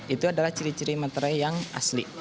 itu adalah ciri ciri materai yang asli